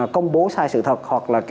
công bố sai sự thật hoặc là